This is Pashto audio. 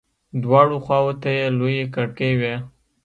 دواړو خواو ته يې لويې کړکۍ وې.